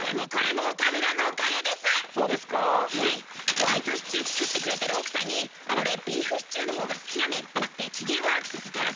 ホワイトシチュー作ってくれてる奥さんに「俺ビーフシチューの方が好きやねん」って言って機嫌悪くさせたらしいじゃん。